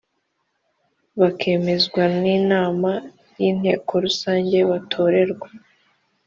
bakemezwan inama y inteko rusange batorerwa